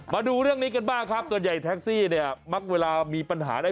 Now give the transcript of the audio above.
มาดูเรื่องนี้กันบ้างครับส่วนใหญ่แท็กซี่เนี่ยมักเวลามีปัญหาได้